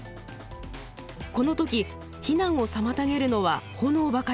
この時避難を妨げるのは炎ばかりではありません。